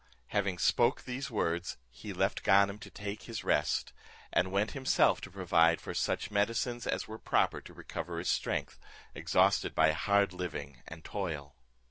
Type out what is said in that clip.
Having spoke these words, he left Ganem to take his rest, and went himself to provide for him such medicines as were proper to recover his strength, exhausted by hard living and toil.